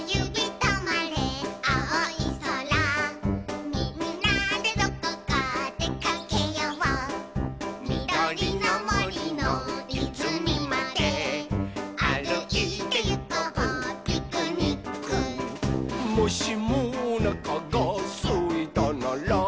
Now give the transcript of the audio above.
とまれあおいそら」「みんなでどこかでかけよう」「みどりのもりのいずみまであるいてゆこうピクニック」「もしもおなかがすいたなら」